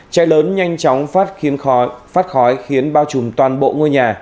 cháy lớn nhanh chóng phát khói khiến bao trùm toàn bộ ngôi nhà